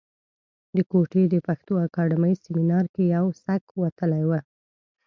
د کوټې د پښتو اکاډمۍ سیمنار کې یې سک وتلی و.